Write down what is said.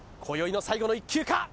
今宵の最後の１球か？